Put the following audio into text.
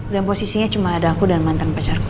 dan posisinya cuma ada aku dan mantan pacarku